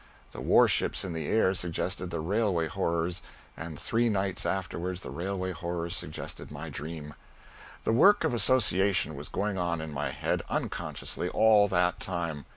The war ships in the air suggested the railway horrors, and three nights afterward the railway horrors suggested my dream. The work of association was going on in my head, unconsciously, all that time.